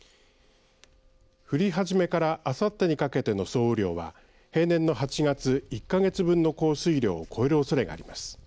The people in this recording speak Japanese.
降り始めからあさってにかけての総雨量は平年の８月１か月分の降水量を超えるおそれがあります。